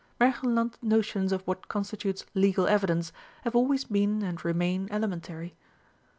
Märchenland notions of what constitutes legal evidence have always been and remain elementary.